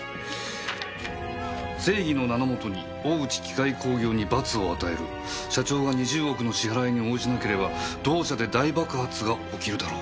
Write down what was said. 「正義の名のもとに大内機械工業に罰を与える」「社長が二十億の支払いに応じなければ同社で大爆発が起きるだろう」